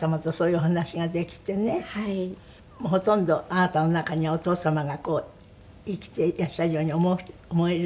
ほとんどあなたの中にはお父様がこう生きていらっしゃるように思えるでしょ？